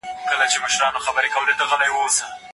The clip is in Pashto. تاسې باید د ټولنپوهنې د اصولو سره مطابقت ولرئ.